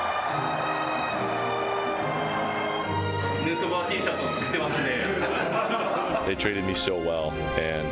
ヌートバーＴシャツをつくってますね。